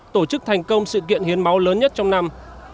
tổ chức thành công sự kiện hiến máu lớn nhất trong năm